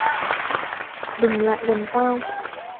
Đừng lại gần tao